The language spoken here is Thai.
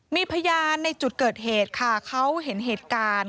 มีพยานในจุดเกิดเหตุค่ะเขาเห็นเหตุการณ์